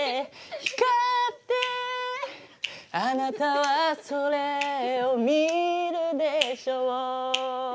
「あなたはそれを見るでしょう」